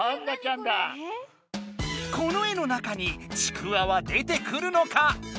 この絵の中にちくわは出てくるのか？